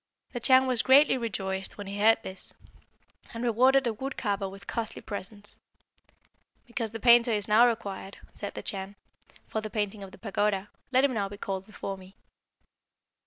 "The Chan was greatly rejoiced when he heard this, and rewarded the wood carver with costly presents. 'Because the painter is now required,' said the Chan, 'for the painting of the pagoda, let him now be called before me.'